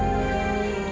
aida kamu harus berpikiran